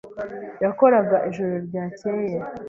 Yakoraga ijoro ryakeye.